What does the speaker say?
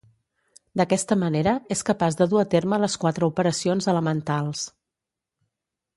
D’aquesta manera és capaç de dur a terme les quatre operacions elementals.